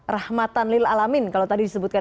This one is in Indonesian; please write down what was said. rahmatan lil'alamin kalau tadi disebutkan